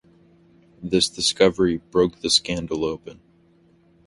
This discovery broke the scandal open.